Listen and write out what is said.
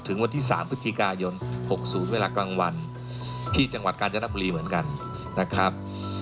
ที่จังหวัดกาญจนปรีเหมือนกันนะครับ